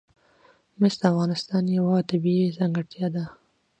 مس د افغانستان یوه طبیعي ځانګړتیا ده.